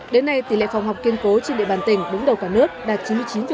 đến nay tỷ lệ phòng học kiên cố trên địa bàn tỉnh đúng đầu cả nước đạt chín mươi chín